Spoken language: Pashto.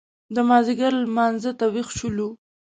د مازیګر لمانځه ته وېښ شولو.